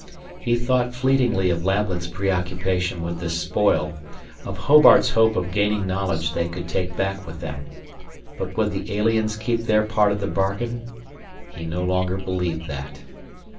He thought fleetingly of Lablet's preoccupation with this spoil, of Hobart's hope of gaining knowledge they could take back with them. But would the aliens keep their part of the bargain? He no longer believed that.